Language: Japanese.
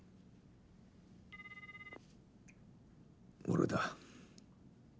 俺だ。